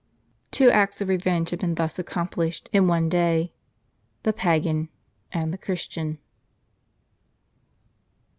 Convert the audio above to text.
Two acts of revenge had been thus accomplished in one day, — the pagan and the Christian.